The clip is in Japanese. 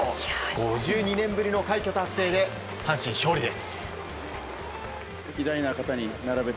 ５２年ぶりの快挙達成で阪神、勝利です。